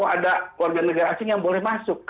ada warga negara asing yang boleh masuk